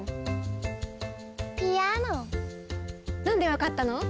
なんでわかったの？